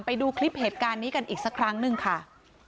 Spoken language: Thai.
ไปดูคลิปเหตุการณ์นี้กันอีกสักครั้งหนึ่งค่ะ